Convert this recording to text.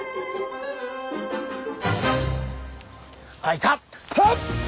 あっいた！